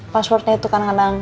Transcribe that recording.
pasportnya itu kadang kadang